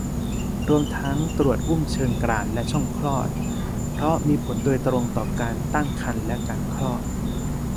รวมทั้งตรวจอุ้งเชิงกรานและช่องคลอด เพราะมีผลโดยตรงต่อการตั้งครรภ์และการคลอด